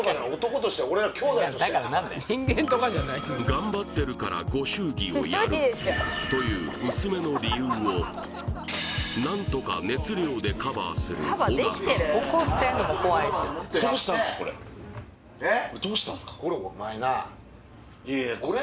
「頑張ってるからご祝儀をやる」という薄めの理由を何とか熱量でカバーする尾形と大胆な家持ってるなっ！